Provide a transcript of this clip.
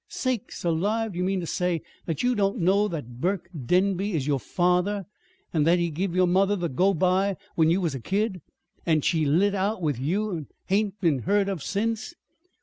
"Sakes alive! Do you mean ter say that you don't know that Burke Denby is your father, an' that he give your mother the go by when you was a kid, an' she lit out with you an' hain't been heard of since?"